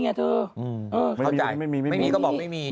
เข้าจ่ายไม่มีก็บอกไม่มี